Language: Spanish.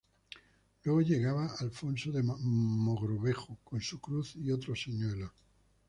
Luego llegaba Alonso de Mogrovejo con su cruz y otros señuelos.